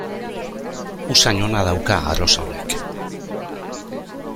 Usain ona dauka arrosa honek.